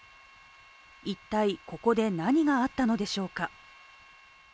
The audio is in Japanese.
一体、ここで何があったのでしょうか。